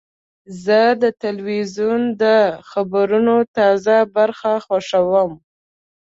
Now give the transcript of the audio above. زه د تلویزیون د خبرونو تازه برخه خوښوم.